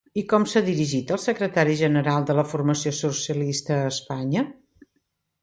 I com s'ha dirigit al secretari general de la formació socialista a Espanya?